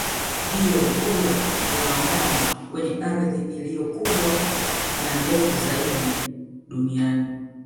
Ndiyo gura ya wanyama kwenye ardhi iliyo kubwa na ndefu zaidi duniani